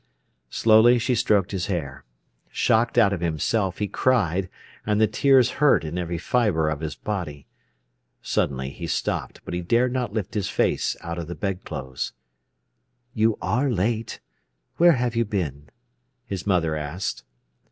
Slowly she stroked his hair. Shocked out of himself, he cried, and the tears hurt in every fibre of his body. Suddenly he stopped, but he dared not lift his face out of the bedclothes. "You are late. Where have you been?" his mother asked.